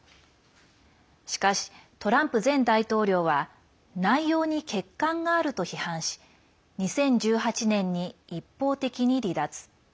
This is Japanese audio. しかし、トランプ前大統領は内容に欠陥があると批判し２０１８年に一方的に離脱。